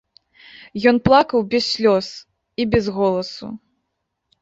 Ён плакаў без слёз і без голасу.